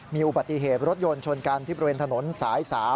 มีอุบัติเหตุรถยนต์ชนกันที่บริเวณถนนสาย๓